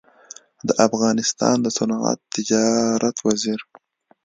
د افغانستان د صنعت تجارت وزیر